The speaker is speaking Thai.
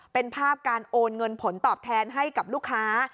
เป็นภาพการโอนเงินผลตอบแทนให้กับลูกค้า